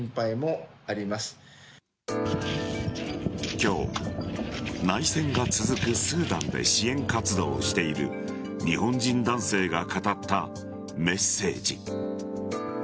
今日、内戦が続くスーダンで支援活動をしている日本人男性が語ったメッセージ。